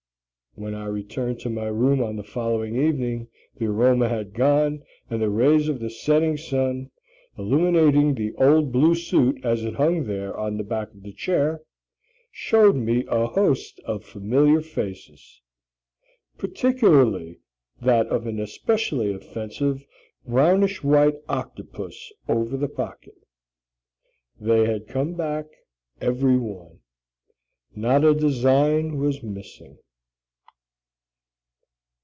When I returned to my room on the following evening the aroma had gone, and the rays of the setting sun, illuminating the old blue suit as it hung there on the back of the chair, showed me a host of familiar faces particularly that of an especially offensive brownish white octopus over the pocket. They had come back every one; not a design was missing.